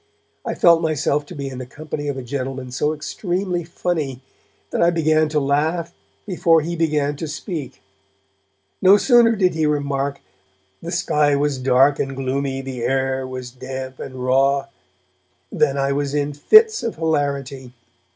I felt myself to be in the company of a gentleman so extremely funny that I began to laugh before he began to speak; no sooner did he remark 'the sky was dark and gloomy, the air was damp and raw,' than I was in fits of hilarity.